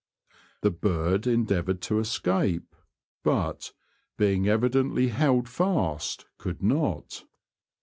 The bird en deavoured to escape, but, being evidently held fast, could not.